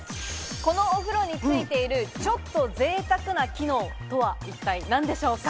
このお風呂についている、ちょっとぜいたくな機能とは一体何でしょうか？